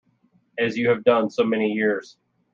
As you have done so many years.